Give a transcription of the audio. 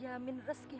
kamu imen salah